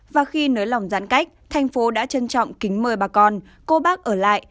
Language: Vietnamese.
và khi nới lỏng giãn cách thành phố đã trân trọng kính mời bà con cô bác ở lại